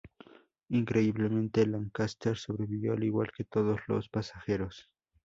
Increíblemente, Lancaster sobrevivió al igual que todos los pasajeros.